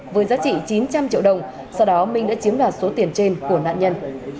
với giá trị chín trăm linh triệu đồng sau đó minh đã chiếm đoạt số tiền trên của nạn nhân